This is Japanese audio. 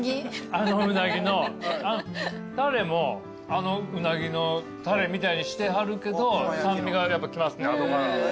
あのうなぎのたれもあのうなぎのたれみたいにしてはるけど酸味が来ますね後から。